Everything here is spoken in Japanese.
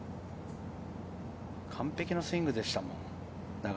完璧なスイングでしたもの。